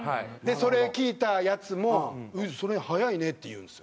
それ聞いたヤツも「それ速いね」って言うんですよ。